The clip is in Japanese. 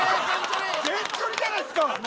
全チョリじゃないですか！